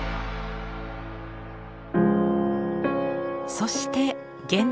そして現代。